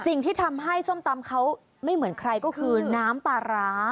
สิ่งที่ทำให้ส้มตำเขาไม่เหมือนใครก็คือน้ำปลาร้า